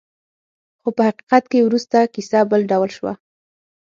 خو په حقیقت کې وروسته کیسه بل ډول شوه.